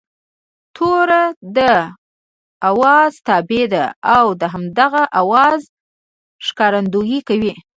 توری د آواز تابع دی او د هماغه آواز ښکارندويي کوي